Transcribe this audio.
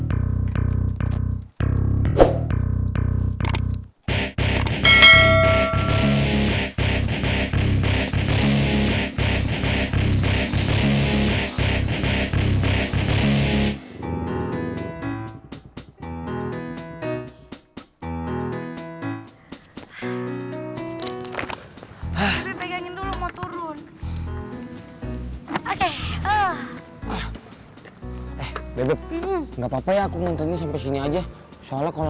ah pegangin dulu mau turun oke eh bebek nggak papa aku nontonnya sampai sini aja soalnya kalau